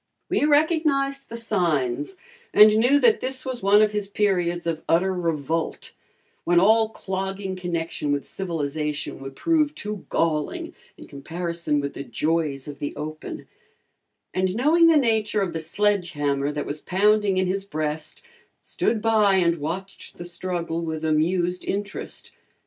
We recognized the signs and knew that this was one of his periods of utter revolt, when all clogging connection with civilization would prove too galling in comparison with the joys of the open, and knowing the nature of the sledge hammer that was pounding in his breast, stood by and watched the struggle with amused interest.